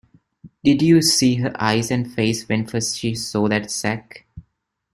Did you see her eyes and face when first she saw that sack?